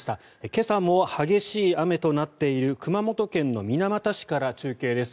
今朝も激しい雨となっている熊本県の水俣市から中継です。